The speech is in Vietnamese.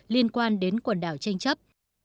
liên quan đến quần đảo tranh chấp